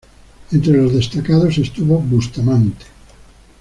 Entre los destacados estuvo Bustamante.